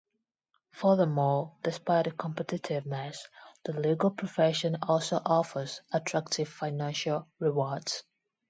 Furthermore, despite the competitiveness, the legal profession also offers attractive financial rewards.